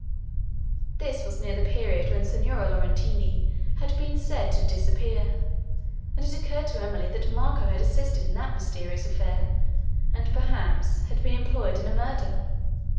This was near the period, when Signora Laurentini had been said to disappear, and it occurred to Emily, that Marco had assisted in that mysterious affair, and, perhaps, had been employed in a murder!